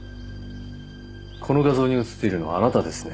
この画像に映っているのはあなたですね？